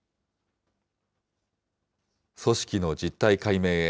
組織の実態解明へ。